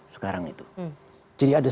sekarang itu jadi ada